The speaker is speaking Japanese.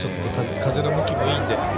風の向きもいいんで。